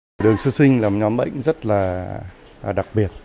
tiểu đường sơ sinh là một nhóm bệnh rất là đặc biệt